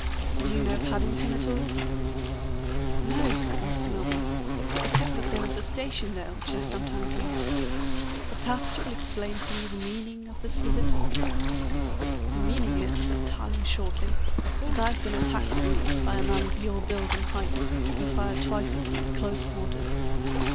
"Do you know Paddington at all?" "No," said Mr. Milburgh, "except that there is a station there which I sometimes use. But perhaps you will explain to me the meaning of this visit?" "The meaning is," said Tarling shortly, "that I have been attacked to night by a man of your build and height, who fired twice at me at close quarters.